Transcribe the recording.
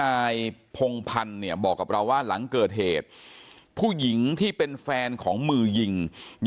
อายุ๑๐ปีนะฮะเขาบอกว่าเขาก็เห็นถูกยิงนะครับ